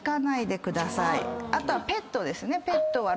あとはペットですね。